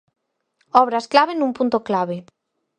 Obras clave nun punto clave.